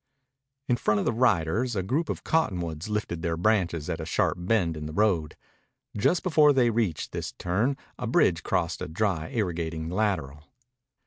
In front of the riders a group of cottonwoods lifted their branches at a sharp bend in the road. Just before they reached this turn a bridge crossed a dry irrigating lateral.